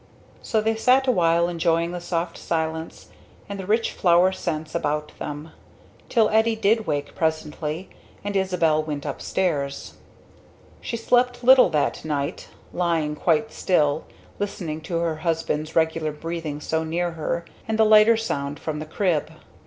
So they sat awhile enjoying the soft silence, and the rich flower scents about them, till Eddie did wake presently, and Isabel went upstairs. She slept little that night, lying quite still, listening to her husband's regular breathing so near her, and the lighter sound from the crib.